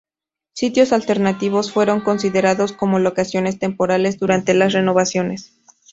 Sitios alternativos fueron considerados como locaciones temporales durante las renovaciones.